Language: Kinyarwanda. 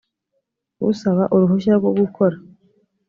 usaba uruhushya rwo gukora